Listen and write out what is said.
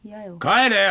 帰れよ！